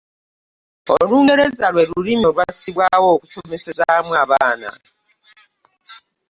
Olungereza lwe lulimi olwasalibwawo okusomesezaamu abaana.